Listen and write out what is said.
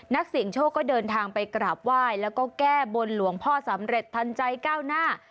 นักเสียงโชคก็เดินทางไปกราบไหว้แล้วก็แก้บนหลวงพ่อสำเร็จทันใจก้าวหน้า